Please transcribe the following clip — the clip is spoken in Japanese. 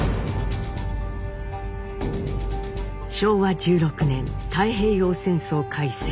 昭和１６年太平洋戦争開戦。